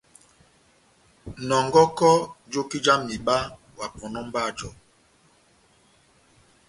Nɔngɔkɔ joki jáh mihiba wa pɔnɔ mba jɔ.